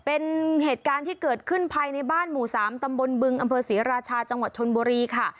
เป็นเหตุการณ์ที่เกิดขึ้นภายในบ้านหมู่๓ตำบลบึงอำเภอศรีราชาจังหวัดชนบุรีค่ะ